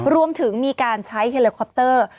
รวมถึงมีการใช้เฮลิคอปเตอร์